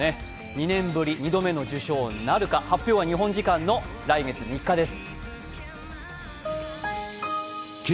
２年ぶり２度目の受賞なるか、発表は日本時間の来月３日です。